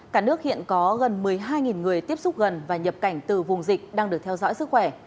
cả nước hiện có gần một mươi hai người tiếp xúc gần và nhập cảnh từ vùng dịch đang được theo dõi sức khỏe